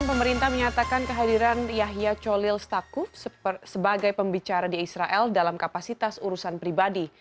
pemerintah menyatakan kehadiran yahya cholil stakuf sebagai pembicara di israel dalam kapasitas urusan pribadi